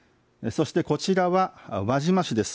そしてこちらは輪島市です。